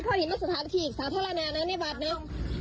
เพราะเห็นว่าสุธาปภิกษ์สาธารณานั้นในวัดเนี่ย